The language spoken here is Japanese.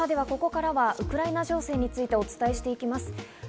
ここからはウクライナ情勢についてお伝えしていきます。